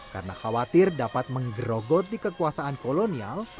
karena khawatir dapat menggerogot di kekuasaan kolonial